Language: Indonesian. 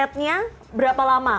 untuk akhirnya berapa lama